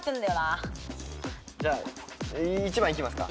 じゃあ１番いきますか。